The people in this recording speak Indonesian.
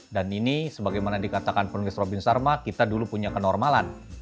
dan ini sebagaimana dikatakan pemirsa robin sarma kita dulu punya kenormalan